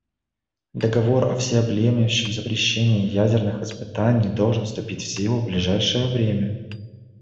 Договор о всеобъемлющем запрещении ядерных испытаний должен вступить в силу в ближайшее время.